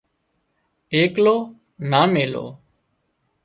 ايڪلو نا ميلو